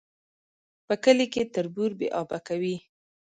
په کلي کي تربور بې آبه کوي